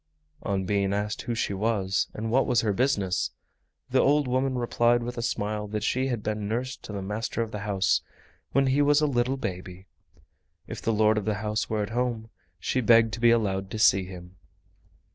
On being asked who she was and what was her business, the old woman replied with a smile that she had been nurse to the master of the house when he was a little baby. If the lord of the house were at home she begged to be allowed to see him.